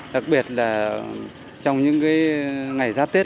đặc biệt là trong những cái ngày giáp tết